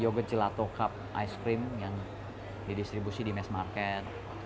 yogurt gelato cup ice cream yang didistribusi di mesmarket